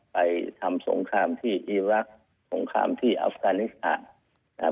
ไปทำสงครามที่อีรักษ์สงครามที่อัฟกานิสถาน